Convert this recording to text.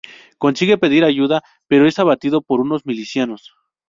Consigue pedir ayuda pero es abatido por unos milicianos.